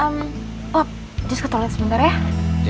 pop just ke toilet sebentar ya